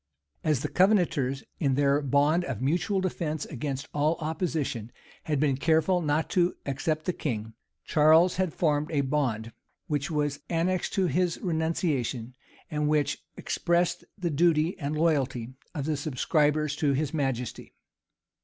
As the Covenanters, in their bond of mutual defence against all opposition, had been careful not to except the king, Charles had formed a bond, which was annexed to this renunciation, and which expressed the duty and loyalty of the subscribers to his majesty.